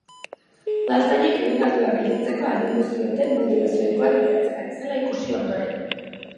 Udaltzainek ibilgailua gelditzeko agindu zioten modu ezohikoan gidatzen ari zela ikusi ondoren.